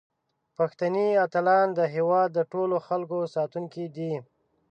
پښتني اتلان د هیواد د ټولو خلکو ساتونکي دي.